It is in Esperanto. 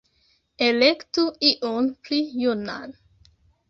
Elektu iun pli junan!".